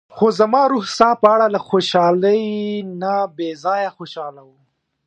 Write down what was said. خو زما روح ستا په اړه له خوشحالۍ نه بې ځايه خوشاله و.